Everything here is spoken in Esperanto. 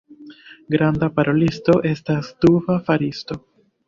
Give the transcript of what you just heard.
Granda parolisto estas duba faristo.